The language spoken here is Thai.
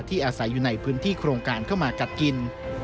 อาศัยอยู่ในพื้นที่โครงการเข้ามากัดกิน